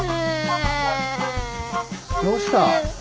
どうした？